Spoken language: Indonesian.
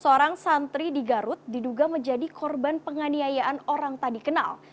seorang santri di garut diduga menjadi korban penganiayaan orang tak dikenal